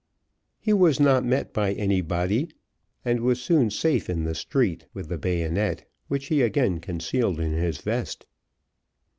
He was not met by anybody, and was soon safe in the street, with the bayonet, which he again concealed in his vest.